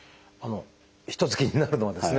一つ気になるのはですね